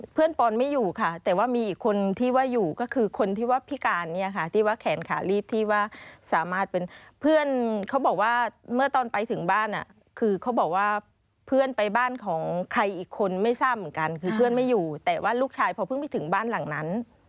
ปอนไม่อยู่ค่ะแต่ว่ามีอีกคนที่ว่าอยู่ก็คือคนที่ว่าพิการเนี่ยค่ะที่ว่าแขนขาลีบที่ว่าสามารถเป็นเพื่อนเขาบอกว่าเมื่อตอนไปถึงบ้านคือเขาบอกว่าเพื่อนไปบ้านของใครอีกคนไม่ทราบเหมือนกันคือเพื่อนไม่อยู่แต่ว่าลูกชายพอเพิ่งไปถึงบ้านหลังนั้น